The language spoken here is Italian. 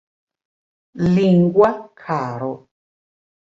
Lingua karo